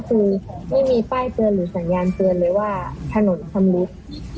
คือไม่มีป้ายเตือนหรือสัญญาณเตือนเลยว่าถนนชำรุด